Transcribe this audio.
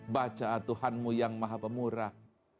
baca tuhanmu yang maha pemurah